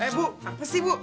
eh bu apa sih bu